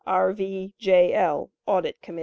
R. V., J. L., Audit Comm.